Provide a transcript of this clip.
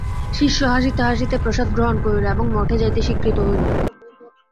শিষ্য হাসিতে হাসিতে প্রসাদ গ্রহণ করিল এবং মঠে যাইতে স্বীকৃত হইল।